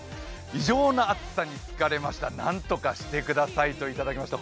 異常な暑さに疲れました、何とかしてくださいといただきました。